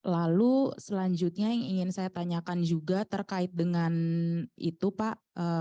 lalu selanjutnya yang ingin saya tanyakan juga terkait dengan itu pak